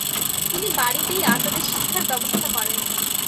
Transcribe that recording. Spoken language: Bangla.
তিনি বাড়িতেই আজাদের শিক্ষার ব্যবস্থা করেন।